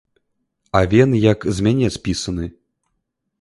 Авен як з мяне спісаны!